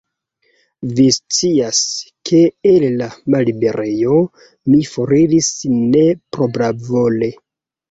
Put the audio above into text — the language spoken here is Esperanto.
Vi scias, ke el la malliberejo mi foriris ne propravole.